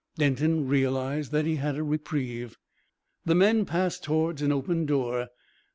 Denton realised that he had a reprieve. The men passed towards an open door.